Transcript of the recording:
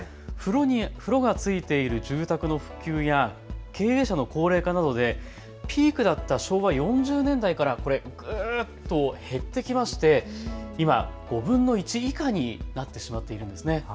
風呂がついている住宅の普及や経営者の高齢化などでピークだった昭和４０年代からこれ、ぐっと減ってきまして今５分の１以下になってしまっているんです。